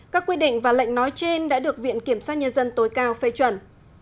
các quy định và lệnh nói trên đã được viện kiểm sát nhân dân tối cao phê chuẩn